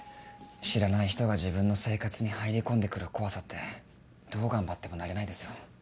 知らない人が自分の生活に入り込んで来る怖さってどう頑張っても慣れないですよ。